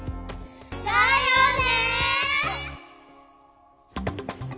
だよね。